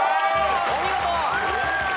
お見事！